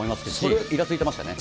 いらついてましたね。